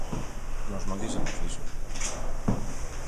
Nós non dixemos iso.